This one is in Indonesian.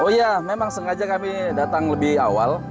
oh iya memang sengaja kami datang lebih awal